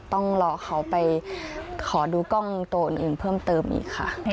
ต้องรอเขาไปขอดูกล้องตัวอื่นเพิ่มเติมอีกค่ะ